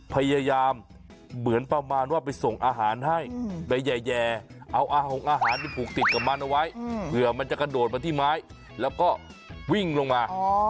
พยายามเหมือนประมาณว่าไปส่งอาหารให้แต่แย่เอาอาหารไปผูกติดกับมันเอาไว้เผื่อมันจะกระโดดมาที่ไม้แล้วก็วิ่งลงมา